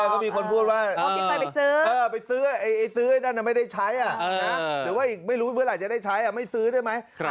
ก็มีคนพูดว่าไปซื้อไปซื้อไอ้ซื้อไอ้นั่นไม่ได้ใช้อ่ะหรือว่าอีกไม่รู้เวลาจะได้ใช้อ่ะไม่ซื้อได้ไหมครับ